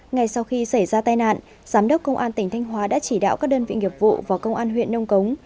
ngay sau khi xảy ra tai nạn giám đốc công an tỉnh thanh hóa đã chỉ đạo các đơn vị nghiệp vụ và công an huyện nông cống